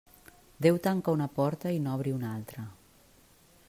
Déu tanca una porta i n'obri una altra.